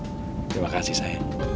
terima kasih sayang